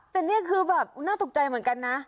แต่นี่คือแบบน่าตกใจเหมือนกันนะ